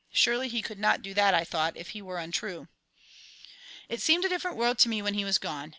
Surely he could not do that, I thought, if he were untrue. It seemed a different world to me when he was gone. Mrs.